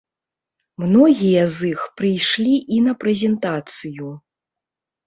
Многія з іх прыйшлі і на прэзентацыю.